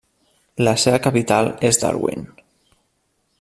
La seva capital és Darwin.